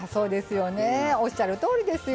おっしゃるとおりですよ。